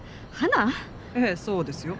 ええそうですよ。